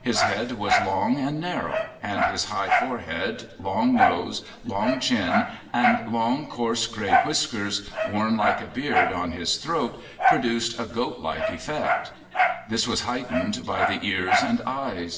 His head was long and narrow, and his high forehead, long nose, long chin, and long, coarse, grey whiskers, worn like a beard on his throat, produced a goat like effect. This was heightened by the ears and eyes.